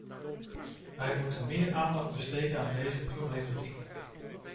Wij moeten meer aandacht besteden aan deze problematiek.